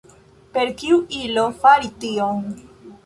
Per kiu ilo fari tion?